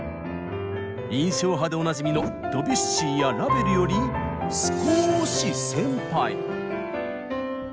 印象派でおなじみのドビュッシーやラヴェルより少し先輩。